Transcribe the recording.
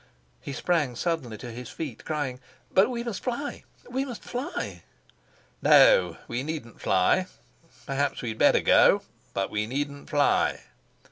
He sprang suddenly to his feet, crying: "But we must fly we must fly!" "No, we needn't fly. Perhaps we'd better go, but we needn't fly."